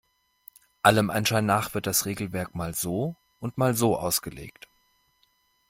Allem Anschein nach wird das Regelwerk mal so und mal so ausgelegt.